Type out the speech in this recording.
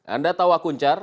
anda tahu wakuncar